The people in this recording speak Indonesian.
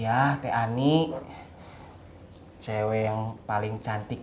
ada gambar yang lain gak